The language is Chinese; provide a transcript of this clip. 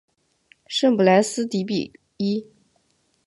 圣布莱斯迪比伊。